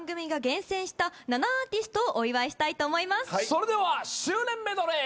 それでは周年メドレー。